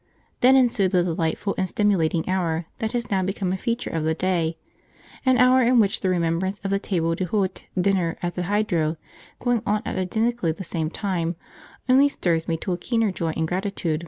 Then ensued the delightful and stimulating hour that has now become a feature of the day; an hour in which the remembrance of the table d'hote dinner at the Hydro, going on at identically the same time, only stirs me to a keener joy and gratitude.